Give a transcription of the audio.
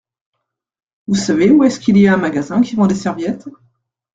Vous savez où est-ce qu’il y a un magasin qui vend des serviettes ?